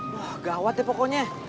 wah gawat deh pokoknya